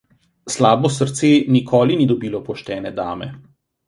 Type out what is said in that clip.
Slabo srce nikoli ni dobilo poštene dame.